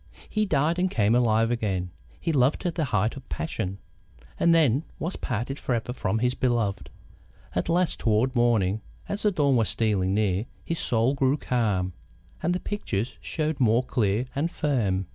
He died and came alive again; he loved to the height of passion, and then was parted forever from his beloved. At last, toward morning, as the dawn was stealing near, his soul grew calm, and the pictures showed more clear and firm.